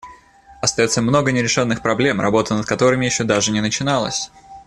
Остается много нерешенных проблем, работа над которыми еще даже не начиналась.